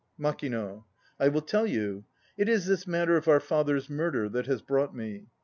MAKINO. I will tell you. It is this matter of our father's murder that has brought me.